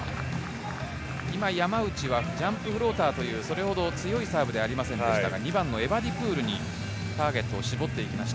今、山内はジャンプフローターという、それほど強いサーブではありませんでしたが２番のエバディプールにターゲットを絞っていきました。